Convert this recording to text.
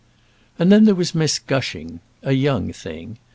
And then there was Miss Gushing, a young thing.